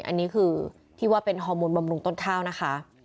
อันนี้คือที่ว่าเป็นฮอร์โมนบำรุงต้นข้าวนะคะ